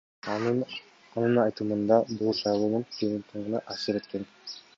Анын айтымында, бул шайлоонун жыйынтыгына таасир эткен.